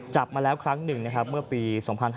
จับมาแล้วครั้งหนึ่งเมื่อปี๒๕๕๖